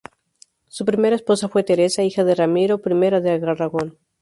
Su primera esposa fue Teresa, hija de Ramiro I de Aragón.